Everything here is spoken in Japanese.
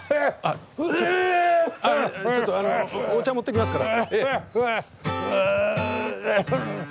あっちょっとお茶持ってきますから。